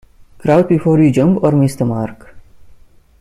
Crouch before you jump or miss the mark.